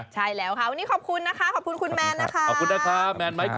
ใช่แล้วค่ะวันนี้ขอบคุณนะคะขอบคุณคุณแมนนะคะขอบคุณนะคะแมนไหมครับ